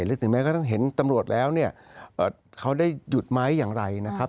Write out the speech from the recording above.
หรือถึงแม้กระทั่งเห็นตำรวจแล้วเนี่ยเขาได้หยุดไหมอย่างไรนะครับ